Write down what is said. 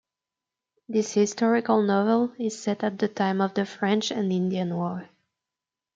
This historical novel is set at the time of the French and Indian War.